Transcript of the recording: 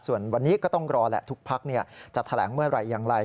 ส่วนวันนี้ก็ต้องรอแหละทุกพักจะแถลงเมื่อไหร่อย่างไร